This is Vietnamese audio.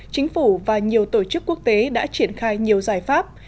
chính phủ và nhiều tổ chức quốc tế đã triển khai nhiều giải pháp